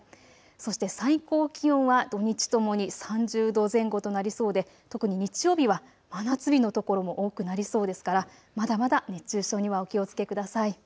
そして最高気温は土日ともに３０度前後となりそうで特に日曜日は真夏日の所も多くなりそうですから、まだまだ熱中症にはお気をつけください。